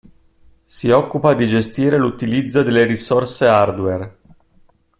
Si occupa di gestire l'utilizzo delle risorse hardware.